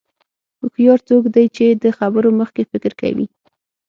هوښیار څوک دی چې د خبرو مخکې فکر کوي.